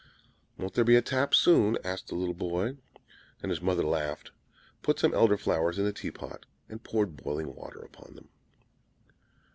"Won't there be a tap soon?" asked the little boy. And his mother laughed, put some Elder flowers in the tea pot, and poured boiling water upon them.